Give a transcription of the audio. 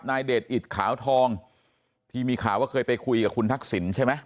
เดชอิตขาวทองที่มีข่าวว่าเคยไปคุยกับคุณทักษิณใช่ไหม